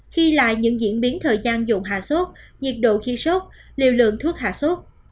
khi lại những diễn biến thời gian dùng hạ sốt nhiệt độ khi sốt liều lượng thuốc hạ sốt